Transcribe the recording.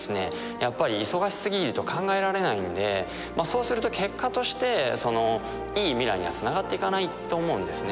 やっぱり忙し過ぎると考えられないんでそうすると結果としていい未来にはつながっていかないと思うんですね。